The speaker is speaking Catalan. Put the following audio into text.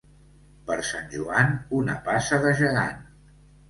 Per Sant Joan, una passa de gegant.